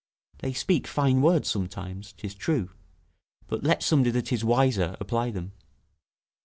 They speak fine words sometimes, 'tis true, but let somebody that is wiser apply them.